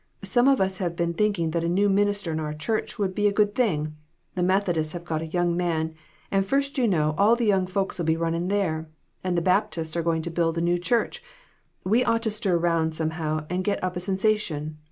Some of us have been thinking that a new minister in our church would be a good thing. The Methodists have got a young man, and first you know all the young folks'll be running there, and the Baptists are going to build a new church. We ought to stir round somehow and get up a sensation.